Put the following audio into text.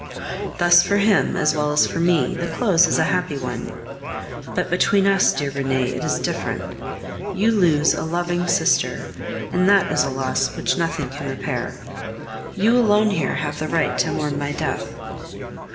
"Thus for him, as well as for me, the close is a happy one. But between us, dear Renee, it is different. You lose a loving sister, and that is a loss which nothing can repair. You alone here have the right to mourn my death."